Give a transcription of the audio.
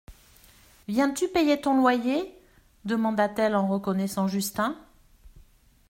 Viens-tu payer ton loyer ? demanda-t-elle en reconnaissant Justin.